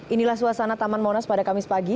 inilah suasana taman monas pada kamis pagi